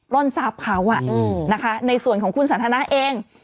ร่อนซับเขาอ่ะในส่วนของคุณสนธนาเอง